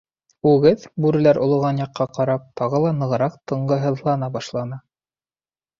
Үгеҙ, бүреләр олоған яҡҡа ҡарап, тағы ла нығыраҡ тынғыһыҙлана башланы.